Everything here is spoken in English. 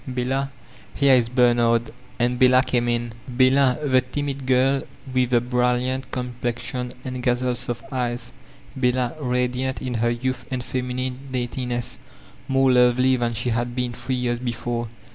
Bella. Here is Bemard. Aad Bella came in. Bella, the timid girl with the brilliant complexion and gazelle soft eyes, Bella radiant in her youth and feminine daintiness, more lovefy than she had been three years before.